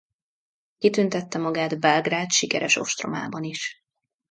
Kitüntette magát Belgrád sikeres ostromában is.